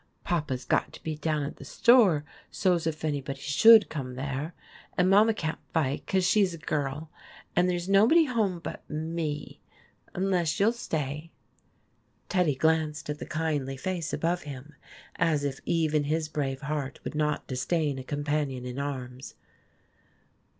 Papa 's got to be down at the store, so 's if anybody sJiould come there. And Mama can't fight, 'cause she 's a girl, and there 's nobody home but me unless you '11 stay?' Teddy glanced at the kindly face above him, as if even his brave heart would not disdain a companion in arms.